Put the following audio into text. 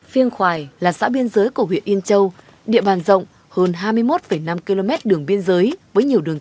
phiêng khoài là xã biên giới của huyện yên châu địa bàn rộng hơn hai mươi một năm km đường biên giới với nhiều đường